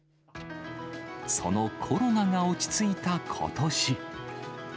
そのコロナが落ち着いたことし。